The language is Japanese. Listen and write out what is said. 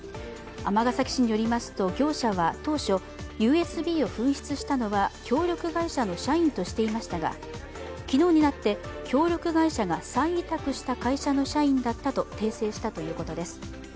尼崎市によりますと業者は当初、ＵＳＢメモリーを紛失したのは協力会社の社員としていましたが昨日になって協力会社が再委託した会社の社員だったと訂正したということです。